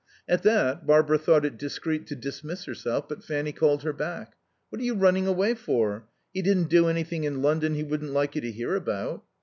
At that Barbara thought it discreet to dismiss herself, but Fanny called her back. "What are you running away for? He didn't do anything in London he wouldn't like you to hear about."